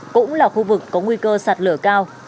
cũng là khu vực có nguy cơ sạt lửa cao